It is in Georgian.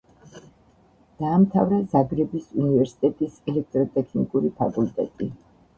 დაამთავრა ზაგრების უნივერსიტეტის ელექტროტექნიკური ფაკულტეტი.